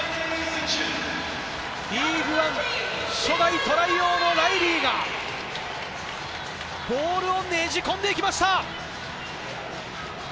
リーグワン初代トライ王のライリーが、ボールをねじ込んでいきました。